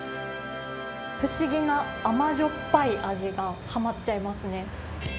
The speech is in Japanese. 不思議な甘じょっぱい味が、はまっちゃいますね。